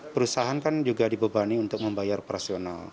perusahaan kan juga dibebani untuk membayar operasional